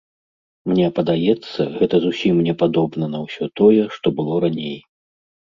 Мне падаецца, гэта зусім не падобна на ўсё тое, што было раней.